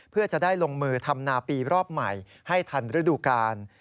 เพื่อจะได้ลงมือทำนาปีรอบใหม่ให้ทันฤดูกาล